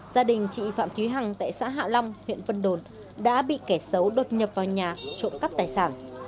gia đình chị phạm thúy hằng tại xã hạ long huyện vân đồn đã bị kẻ xấu đột nhập vào nhà trộm cắp tài sản